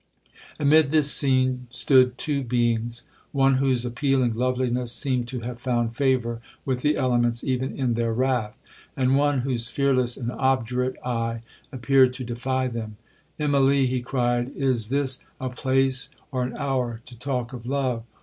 'Amid this scene stood two beings, one whose appealing loveliness seemed to have found favour with the elements even in their wrath, and one whose fearless and obdurate eye appeared to defy them. 'Immalee,' he cried, 'is this a place or an hour to talk of love!